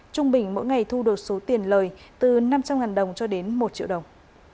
trung bình mỗi ngày thu đột số tiền lời từ năm trăm linh đồng cho đến một triệu đồng